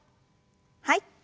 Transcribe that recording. はい。